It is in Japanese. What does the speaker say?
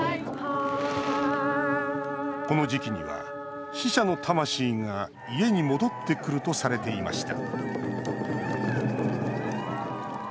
この時期には死者の魂が家に戻ってくるとされていました